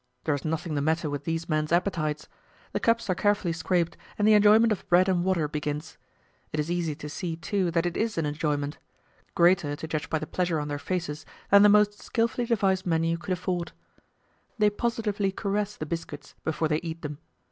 There is nothing the matter with these men's appetites. The cups are carefully scraped, and the enjoyment of bread and water begins. It is easy to see, too, that it is an enjoyment greater, to judge by the pleasure on their faces, than the most skilfully devised menu could afford. They positively caress the biscuits before they eat them.